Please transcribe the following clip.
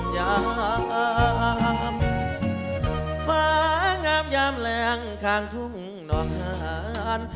ยามฟ้างามยามแหลงข้างทุ่งนอน